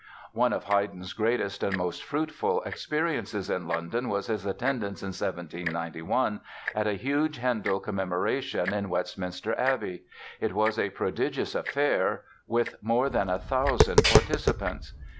One of Haydn's greatest and most fruitful experiences in London was his attendance in 1791 at a huge Handel Commemoration in Westminster Abbey. It was a prodigious affair with more than a thousand participants.